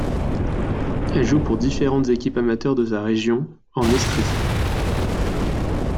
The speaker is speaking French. Elle joue pour différentes équipes amateures de sa région en Estrie.